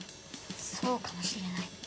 そうかもしれない。